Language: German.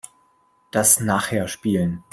Das nachher spielen.